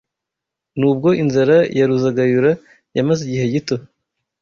Nubwo inzara ya Ruzagayura yamaze igihe gito